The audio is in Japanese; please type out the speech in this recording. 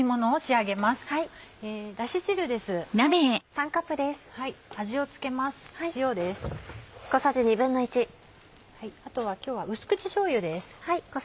あとは今日は淡口しょうゆです。